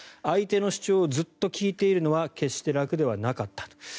相手の主張をずっと聞いているのは決して楽ではなかったと。